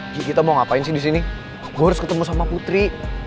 gigi kita mau ngapain sih di sini gue harus ketemu sama putri